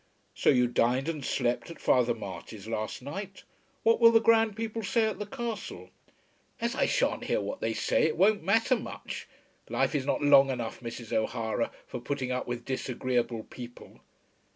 "So you dined and slept at Father Marty's last night. What will the grand people say at the Castle?" "As I sha'n't hear what they say, it won't matter much! Life is not long enough, Mrs. O'Hara, for putting up with disagreeable people."